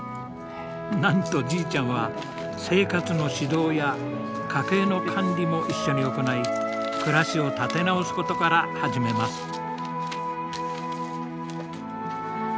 なんとじいちゃんは生活の指導や家計の管理も一緒に行い暮らしを立て直すことから始めます。